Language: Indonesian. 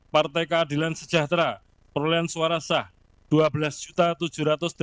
delapan partai keadilan sejahtera perolehan suara sah dua belas tujuh ratus delapan puluh satu tiga ratus lima puluh tiga suara